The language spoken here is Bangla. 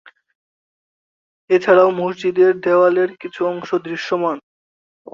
এছাড়াও মসজিদের দেয়ালের কিছু অংশ দৃশ্যমান।